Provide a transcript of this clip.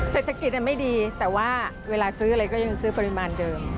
เศรษฐกิจไม่ดีแต่ว่าเวลาซื้ออะไรก็ยังซื้อปริมาณเดิม